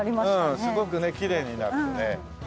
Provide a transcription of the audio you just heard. うんすごくねきれいになってね。